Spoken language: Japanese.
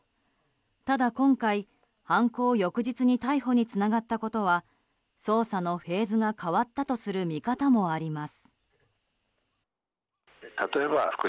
ただ今回、犯行翌日に逮捕につながったことは捜査のフェーズが変わったとする見方もあります。